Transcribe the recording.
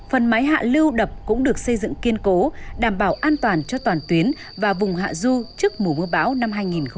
phần máy hạ lưu đập cũng được xây dựng kiên cố đảm bảo an toàn cho toàn tuyến và vùng hạ du trước mùa mưa bão năm hai nghìn hai mươi